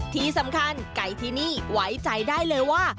ที่สำคัญไก่ที่นี่ไว้ใจได้เลยว่า